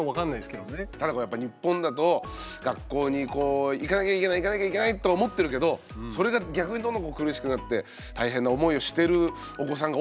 ただこれやっぱ日本だと学校にこう行かなきゃいけない行かなきゃいけないと思ってるけどそれが逆にどんどんこう苦しくなって大変な思いをしてるお子さんが多くて。